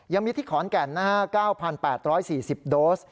ยังมีที่ขอนแก่น๙๘๔๐โดส